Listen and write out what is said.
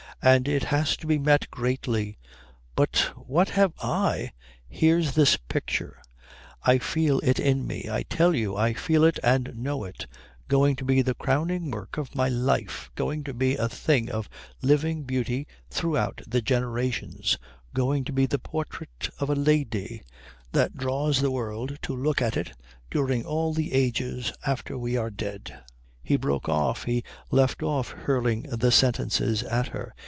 "And it has to be met greatly." "But what have I " "Here's this picture I feel it in me, I tell you I feel it and know it going to be the crowning work of my life, going to be a thing of living beauty throughout the generations, going to be the Portrait of a Lady that draws the world to look at it during all the ages after we are dead " He broke off. He left off hurling the sentences at her.